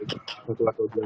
itu sangat lambat